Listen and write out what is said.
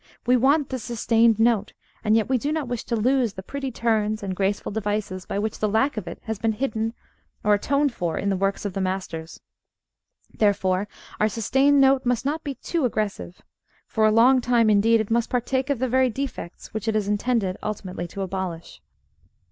We want the sustained note, and yet we do not wish to lose the pretty turns and graceful devices by which the lack of it has been hidden, or atoned for, in the works of the masters. Therefore our sustained note must not be too aggressive. For a long time, indeed, it must partake of the very defects which it is intended ultimately to abolish.